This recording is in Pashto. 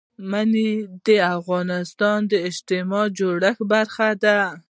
منی د افغانستان د اجتماعي جوړښت برخه ده.